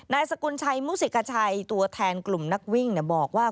สกุลชัยมุสิกชัยตัวแทนกลุ่มนักวิ่งบอกว่า